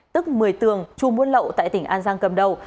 tức một mươi tường chung muôn lậu tại tỉnh an giang cầm đầu